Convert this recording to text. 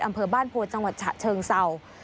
อำเภอบ้านโพจังหวัดฉะเชิงเศร้า